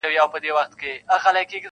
شمع ده چي مړه سي رڼا نه لري-